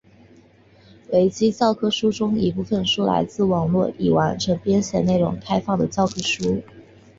维基教科书中一部分书来自网路上已完成编写的内容开放的教科书。